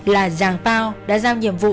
là giàng pao đã giao nhiệm vụ